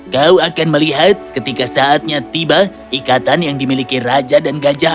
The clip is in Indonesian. kau akan melihat ketika saatnya tiba ikatan yang dimiliki raja dan gajah